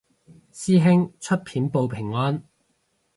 師兄出片報平安